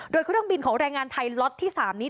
โดยเครื่องบินของแรงงานไทยล็อตที่๓นี้